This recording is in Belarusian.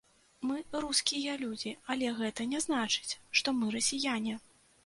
Мы рускія людзі, але гэта не значыць, што мы расіяне.